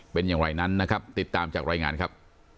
เป็นอย่างไรนั้นนะครับติดตามจากรายงานครับ